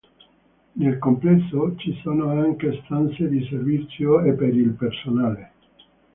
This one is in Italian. Nel complesso ci sono anche stanze di servizio e per il personale.